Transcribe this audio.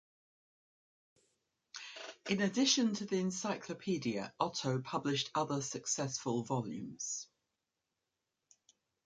In addition to the encyclopedia, Otto published other successful volumes.